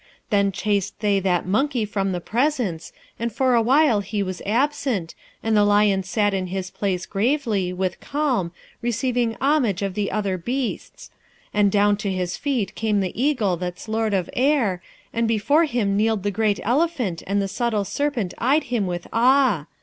Then chased they that monkey from the presence, and for awhile he was absent, and the lion sat in his place gravely, with calm, receiving homage of the other beasts; and down to his feet came the eagle that's lord of air, and before him kneeled the great elephant, and the subtle serpent eyed him with awe.